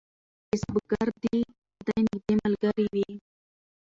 کسبګر د خدای نږدې ملګری وي.